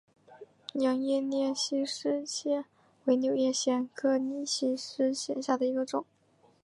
仰叶拟细湿藓为柳叶藓科拟细湿藓下的一个种。